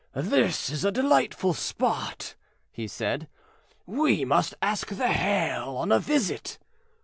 "This is a delightful spot," he said, "we must ask the Hail on a visit."